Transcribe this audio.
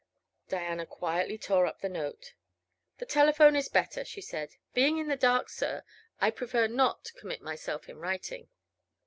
Diana quietly tore up the note. "The telephone is better," she said. "Being in the dark, sir, I prefer not to commit myself in writing."